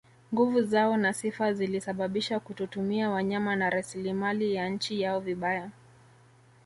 Nguvu zao na sifa zilisababisha kutotumia wanyama na rasilimali ya nchi yao vibaya